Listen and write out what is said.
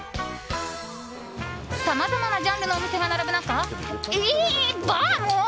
さまざまなジャンルのお店が並ぶ中え、バーも？